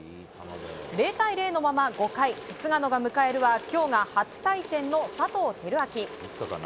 ０対０のまま５回菅野が迎えるは今日は初対戦の佐藤輝明。